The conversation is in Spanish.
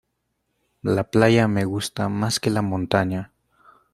La playa me gusta más que la montaña.